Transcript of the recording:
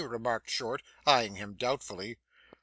remarked Short, eyeing him doubtfully.